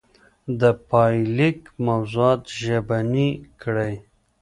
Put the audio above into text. د پايليک موضوعات ژبني کړئ.